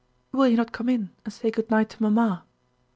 "Will you not come in and say good night to mamma?"